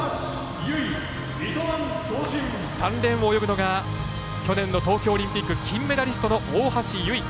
３レーンを泳ぐのが去年の東京オリンピック金メダリストの大橋悠依。